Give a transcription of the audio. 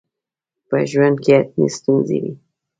په ژوند کي حتماً ستونزي وي.